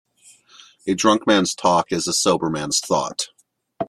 A drunk man's talk is a sober man's thought.